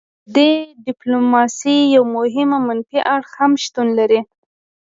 د دې ډیپلوماسي یو مهم منفي اړخ هم شتون لري